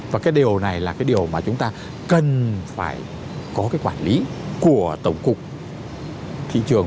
và cái điều này là cái điều mà chúng ta cần phải có cái quản lý của tổng cục thị trường